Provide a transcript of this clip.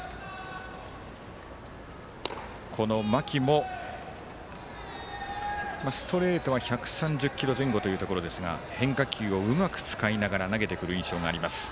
この間木もストレートは１３０キロ前後というところですが変化球をうまく使いながら投げてくる印象があります。